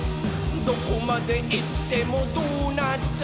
「どこまでいってもドーナツ！」